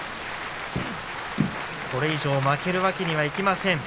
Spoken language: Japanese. これ以上負けるわけにはいきません。